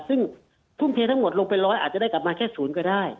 ซึ่งทุ่มเททั้งหมดลงไปร้อยอาจจะได้กลับมาแค่๐ก็ได้